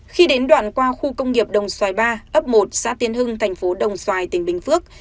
khi đến đoạn qua khu công nghiệp đồng xoài ba ấp một xã tiên hưng thành phố đồng xoài tỉnh bình phước